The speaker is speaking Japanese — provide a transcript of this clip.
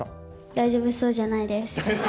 大丈夫そうじゃないです。